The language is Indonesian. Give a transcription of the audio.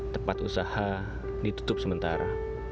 tempat usaha ditutup sementara